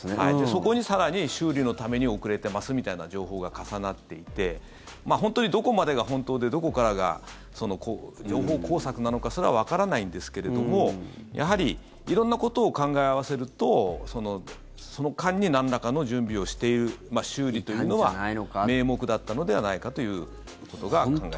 そこに、更に修理のために遅れてますみたいな情報が重なっていて本当にどこまでが本当でどこからが情報工作なのかすらわからないんですけれどもやはり色んなことを考え合わせるとその間になんらかの準備をしている修理というのは名目だったのではないかということが考えられますね。